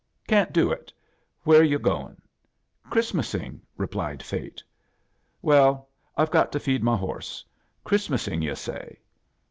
" Can't do it. Vhere're yu* goin*?" " Christraasing," replied Fate. " Well, I've got to feed my horse. Christmasing, yu' say?"